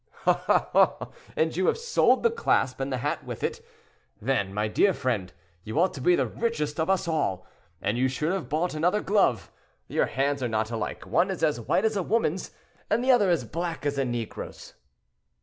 "Ah! ah! and you have sold the clasp, and the hat with it. Then, my dear friend, you ought to be the richest of us all, and you should have bought another glove; your hands are not alike; one is as white as a woman's, and the other as black as a negro's."